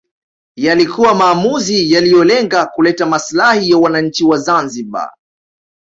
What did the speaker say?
Yalikuwa maamuzi yaliyolenga kuleta maslahi ya wananchi wa Zanzibar